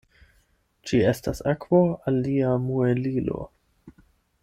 Ĝi estas akvo al lia muelilo.